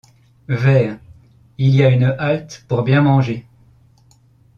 Vers - il y a une halte pour bien manger.